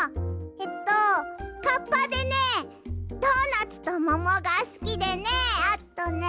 えっとカッパでねドーナツとももがすきでねあとね。